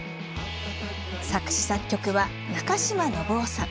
作詞・作曲は中島伸雄さん。